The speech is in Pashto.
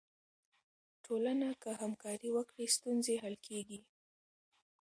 ټولنه که همکاري وکړي، ستونزې حل کیږي.